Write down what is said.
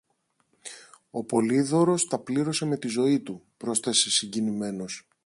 Ο Πολύδωρος τα πλήρωσε με τη ζωή του, πρόσθεσε συγκινημένος.